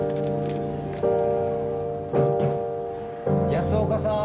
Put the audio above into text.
安岡さーん！